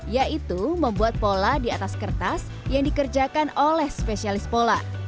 yaitu membuat pola di atas kertas yang dikerjakan oleh spesialis pola